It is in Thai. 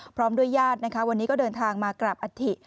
พร้อมด้วยญาตินะคะวันนี้ก็เดินทางมากราบอัฐิ